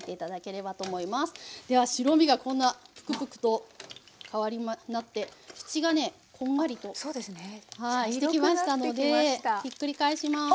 では白身がこんなプクプクとなって縁がねこんがりとしてきましたのでひっくり返します。